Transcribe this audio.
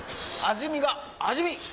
味見が味見！